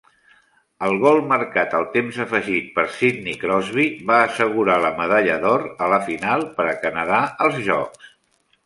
El gol marcat al temps afegit per Sidney Crosby va assegurar la medalla d'or a la final per a Canadà als Jocs.